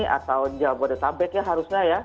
atau di jawa baratabek ya harusnya ya